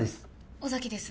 尾崎です